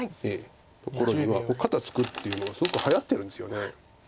ところには肩ツクっていうのがすごくはやってるんですよね。